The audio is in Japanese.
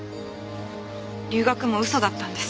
留学も嘘だったんです。